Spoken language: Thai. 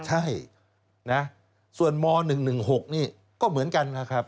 ใช่นะส่วนม๑๑๖นี่ก็เหมือนกันนะครับ